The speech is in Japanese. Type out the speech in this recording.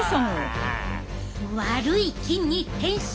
悪い菌に変身。